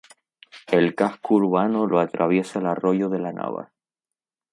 El casco urbano lo atraviesa el Arroyo de la Nava.